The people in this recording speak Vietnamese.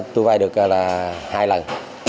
tôi vay được là hai lần